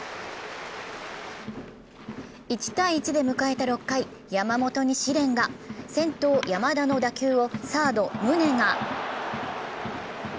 １−１で迎えた６回、山本に試練が先頭・山田の打球をサード・宗が。